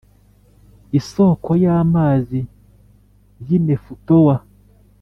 isoko y amazi y i Nefutowa